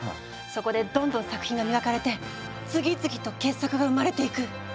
そこでどんどん作品が磨かれて次々と傑作が生まれていく。